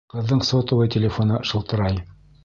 Ҡыҙҙың сотовый телефоны шылтырай.